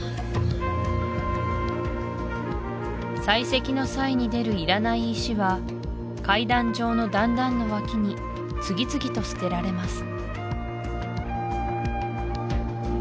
採石の際に出るいらない石は階段状の段々の脇に次々と捨てられます